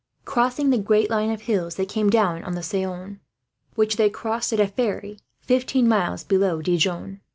Crossing the great line of hills, they came down on the Saone; which they crossed at a ferry, fifteen miles below Dijon.